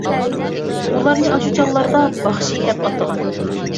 ئۇلارنى ئاشۇ چاغلاردا «باخشى» دەپ ئاتىغان.